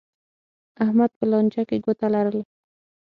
احمد په لانجه کې ګوته لرله.